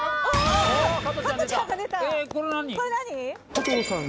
加藤さん